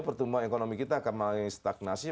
pertumbuhan ekonomi kita akan mulai stagnasi